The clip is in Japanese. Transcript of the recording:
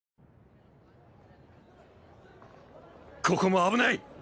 ここも危ない！